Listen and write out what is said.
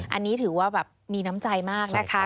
อันนี้ถือว่าแบบมีน้ำใจมากนะคะ